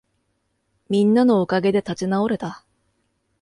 みんなのおかげで立ち直れた